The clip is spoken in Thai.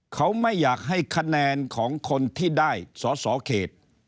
เขาไม่อยากให้คะแนนของคนที่ได้สอสอเขต